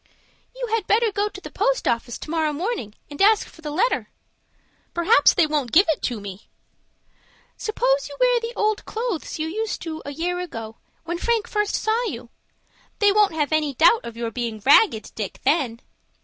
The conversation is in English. "You had better go to the post office to morrow morning, and ask for the letter." "P'r'aps they won't give it to me." "Suppose you wear the old clothes you used to a year ago, when Frank first saw you? They won't have any doubt of your being Ragged Dick then."